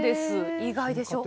意外でしょ。